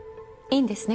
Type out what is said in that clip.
いいんですね？